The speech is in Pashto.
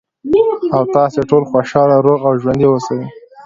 ، او تاسې ټول خوشاله، روغ او ژوندي اوسئ.